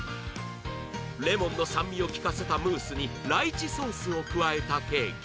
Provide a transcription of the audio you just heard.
レモンの酸味を利かせたムースにライチソースを加えたケーキ